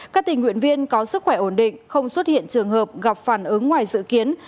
các tình nguyện viên có sức khỏe ổn định không xuất hiện trường hợp gặp phản ứng ngoài dự kiến